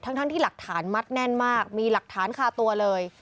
ทั้งที่หลักฐานมัดแน่นมากมีหลักฐานคาตัวเลย